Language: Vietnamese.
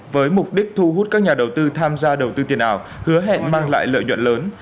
với mục đích thu hút các nhà đầu tư tham gia đầu tư tiền ảo hứa hẹn mang lại lợi nhuận lớn